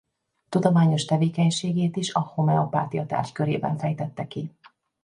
Tudományos tevékenységét is a homeopátia tárgykörében fejtette ki.